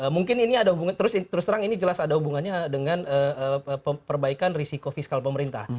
mungkin ini ada hubungan terus terang ini jelas ada hubungannya dengan perbaikan risiko fiskal pemerintah